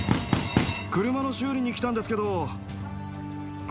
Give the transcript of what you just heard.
車の修理に来たんですけど。